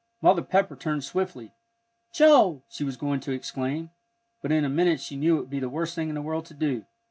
Mother Pepper turned swiftly. "Joel!" she was going to exclaim. But in a minute she knew it would be the worst thing in the world to do.